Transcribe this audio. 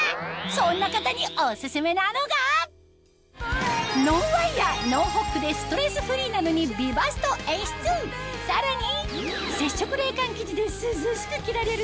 そんな方にお薦めなのがノンワイヤーノンホックでストレスフリーなのに美バストを演出さらにをご紹介します